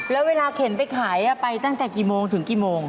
แล้วเวลาเข็นไปขายไปตั้งแต่กี่โมงถึงกี่โมง